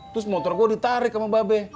terus motor gue ditarik sama mbak be